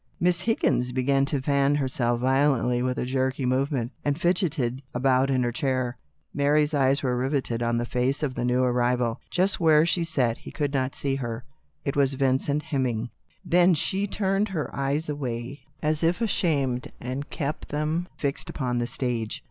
Miss Higgins began to fan herself violently with a jerky movement, and fidgetted about in her chair. Mary's eyes were rivetted on the face of the newcomer. Just where she sat he could not see her. It was Vincent Hemming. Then she turned her eyes away — as if ashamed — and kept them fixed upon the stage.